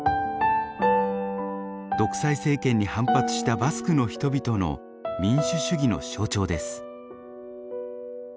独裁政権に反発したバスクの人々の民主主義の象徴です。